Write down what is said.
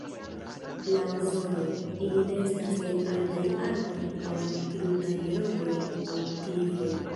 Laŭ zonoj, ili nestas en altaj arboj aŭ en krutaj rokoj aŭ klifoj.